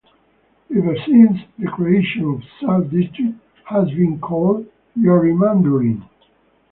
Ever since, the creation of such districts has been called gerrymandering.